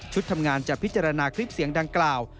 ทำงานจะพิจารณาคลิปเสียงดังกล่าว